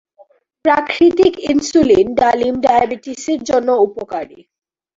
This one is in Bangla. প্রাকৃতিক ইনসুলিন ডালিম ডায়াবেটিসের জন্য উপকারী।